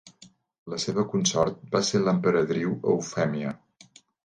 La seva consort va ser l'emperadriu Eufèmia.